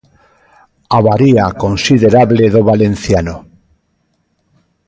Avaría considerable do valenciano.